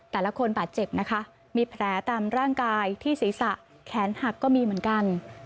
แต่ละคนบาดเจ็บนะคะมีแผลตามร่างกายที่ศีรษะแขนหักก็มีเหมือนกัน